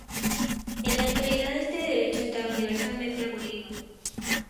En la actualidad este derecho está universalmente abolido.